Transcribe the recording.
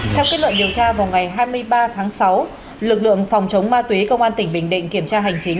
theo kết luận điều tra vào ngày hai mươi ba tháng sáu lực lượng phòng chống ma túy công an tỉnh bình định kiểm tra hành chính